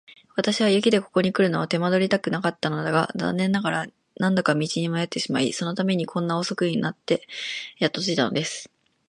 私は雪でここにくるのを手間取りたくなかったのだが、残念ながら何度か道に迷ってしまい、そのためにこんなに遅くなってやっと着いたのです。